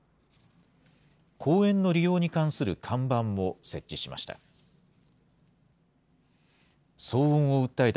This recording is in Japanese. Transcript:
公園の利用に関する看板も設置しました。